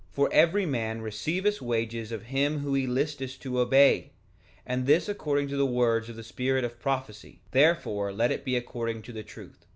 3:27 For every man receiveth wages of him whom he listeth to obey, and this according to the words of the spirit of prophecy; therefore let it be according to the truth.